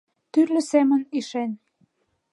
Тӱрлӧ семын ишен.